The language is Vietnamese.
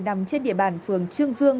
nằm trên địa bàn phường trương dương